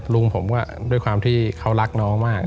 ลุงผมก็ด้วยความที่เขารักน้องมาก